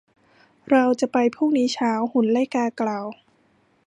เราจะไปพรุ่งนี้เช้า หุ่นไล่กากล่าว